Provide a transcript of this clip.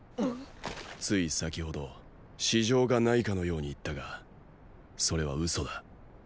つい先ほど私情がないかのように言ったがそれは嘘だ。